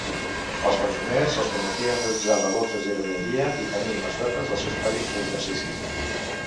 Als presoners se'ls permetia realitzar labors de jardineria i tenir mascotes als seus patis d'exercici.